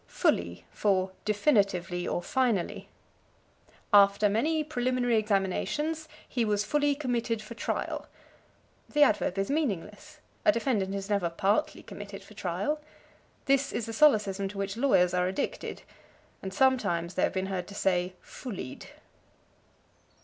Fully for Definitively, or Finally. "After many preliminary examinations he was fully committed for trial." The adverb is meaningless: a defendant is never partly committed for trial. This is a solecism to which lawyers are addicted. And sometimes they have been heard to say "fullied."